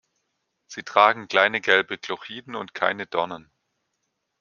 Sie tragen kleine, gelbe Glochiden und keine Dornen.